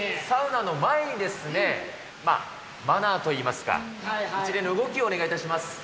サウナの前にですね、マナーといいますか、一連の動きをお願いいたします。